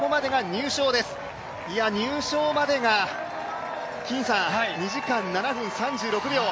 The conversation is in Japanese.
入賞までが２時間７分３６秒。